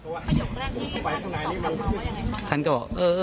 ประโยคแรกที่ท่านตอบกลับมาว่ายังไงบ้าง